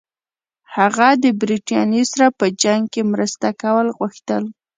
هغه د برټانیې سره په جنګ کې مرسته کول غوښتل.